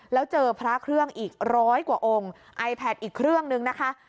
แล้วเจอพระเครื่องอีกร้อยกว่าองค์ไอแพทอีกเครื่องนึงนะคะ